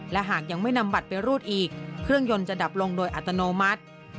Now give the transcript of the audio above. และหากยังไม่นำบัตรไปรูดอีกเครื่องยนต์จะดับลงโดยอัตโนมัติ